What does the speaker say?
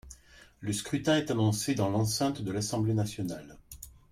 Le scrutin est annoncé dans l’enceinte de l’Assemblée nationale.